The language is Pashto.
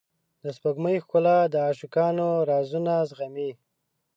د سپوږمۍ ښکلا د عاشقانو رازونه زغمي.